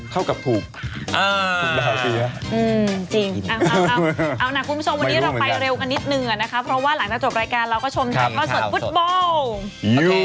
เข้ากับถูกอ่าถูกแล้วสิอ่ะอืมจริงเอาเอาเอาเอาเอานะคุณผู้ชม